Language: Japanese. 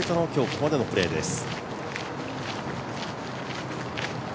ここまでのプレーです。